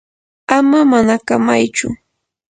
ama manakamaychu.